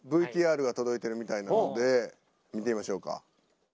ＶＴＲが届いてるみたいなので見てみましょうか。